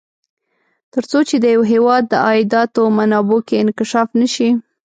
تر څو چې د یوه هېواد د عایداتو منابعو کې انکشاف نه شي.